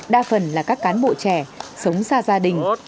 đa phần là các cán bộ trẻ sống xa gia đình